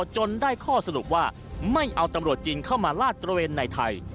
จนได้ข้อสรุปว่าไม่เอาตำรวจจีนเข้ามาลาดตระเวนในไทย